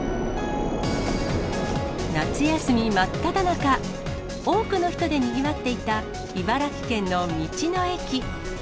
夏休み真っただ中、多くの人でにぎわっていた、茨城県の道の駅。